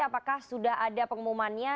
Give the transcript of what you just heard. apakah sudah ada pengumumannya